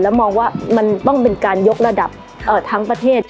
มองว่ามันต้องเป็นการยกระดับทั้งประเทศ